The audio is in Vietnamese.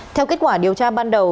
theo kết quả điều tra ban đầu